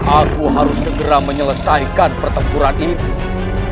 aku harus segera menyelesaikan pertempuran itu